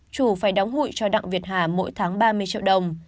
chủ phải đóng hụi cho đặng việt hà mỗi tháng ba mươi triệu đồng